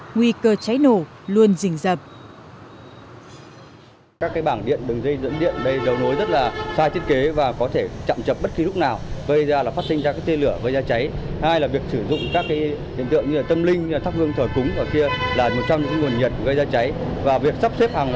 nguy cơ cháy nổ luôn dình dập